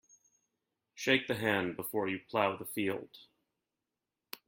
Shake the hand before you plough the field.